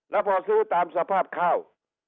แล้วพอซื้อตามสภาพข้าว